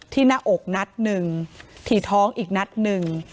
หน้าอกนัดหนึ่งถี่ท้องอีกนัดหนึ่ง